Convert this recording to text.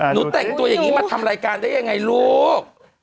หนูแต่งตัวอย่างนี้มาทำรายการได้ยังไงลูก